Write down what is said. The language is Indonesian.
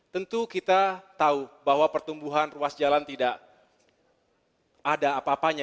tentu kita tahu bahwa pertumbuhan ruas jalan tidak ada apa apanya